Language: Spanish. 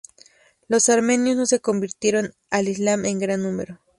Los armenios no se convirtieron al islam en gran número.